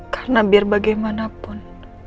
karena biar bagaimanapun